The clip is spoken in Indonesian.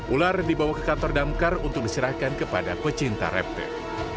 ular dibawa ke kantor damkar untuk diserahkan kepada pecinta reptil